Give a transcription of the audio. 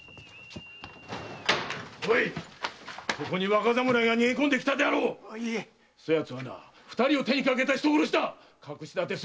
ここに若侍が逃げ込んできたであろう⁉そ奴は二人を手にかけた人殺しだ！